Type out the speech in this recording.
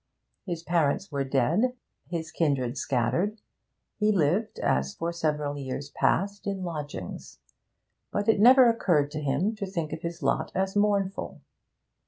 His parents were dead, his kindred scattered, he lived, as for several years past, in lodgings. But it never occurred to him to think of his lot as mournful.